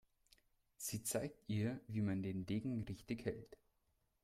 Sie zeigt ihr, wie man den Degen richtig hält.